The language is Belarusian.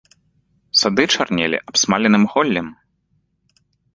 Сады чарнелі абсмаленым голлем.